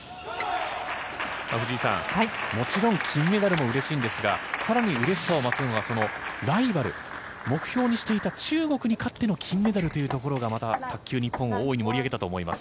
藤井さん、もちろん金メダルもうれしいんですが更にうれしさを増すのがライバル目標にしていた中国に勝っての金メダルというところがまた卓球日本を大いに盛り上げたと思います。